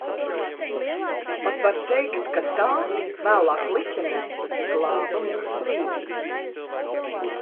Pat var teikt, ka tā, vēlāk Litenē, glāba mūsu dzīvības.